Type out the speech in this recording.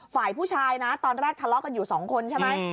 ฝ่ายผู้ชายนะตอนแรกทะเลาะกันอยู่สองคนใช่ไหม